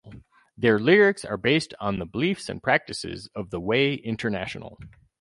Their lyrics are based on the beliefs and practices of The Way International.